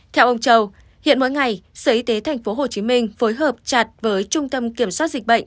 theo ông châu hiện mỗi ngày sở y tế tp hcm phối hợp chặt với trung tâm kiểm soát dịch bệnh